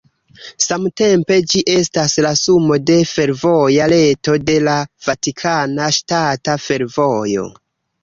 Samtempe ĝi estas la sumo de fervoja reto de la Vatikana Ŝtata Fervojo.